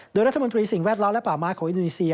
โดยรัฐมนตรีสิ่งแวดล้อมและป่าไม้ของอินโดนีเซีย